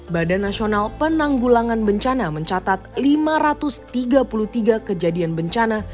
badan nasional penanggulangan bencana mencatat lima ratus tiga puluh tiga kejadian bencana